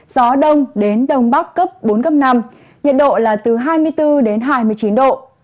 gió đông đến đông bắc cấp bốn cấp năm nhiệt độ là từ hai mươi bốn đến hai mươi chín độ